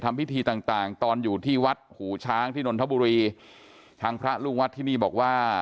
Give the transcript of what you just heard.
พิธีต่างต่างตอนอยู่ที่วัดหูช้างที่นนทบุรีทางพระลูกวัดที่นี่บอกว่า